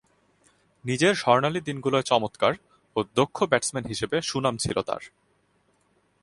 নিজের স্বর্ণালী দিনগুলোয় চমৎকার ও দক্ষ ব্যাটসম্যান হিসেবে সুনাম ছিল তার।